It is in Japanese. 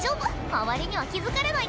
周りには気付かれないから。